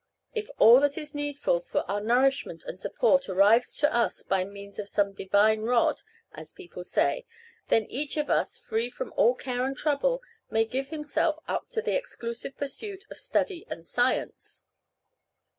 "If all that is needful for our nourishment and support arrives to us by means of some divine rod, as people say, then each of us, free from all care and trouble, may give himself up to the exclusive pursuit of study and science."